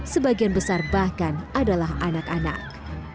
sebagian besar bahkan adalah anak anak